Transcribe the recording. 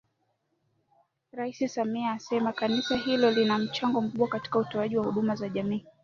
Rais Samia amesema kanisa hilo lina mchango mkubwa katika utoaji wa huduma za jamii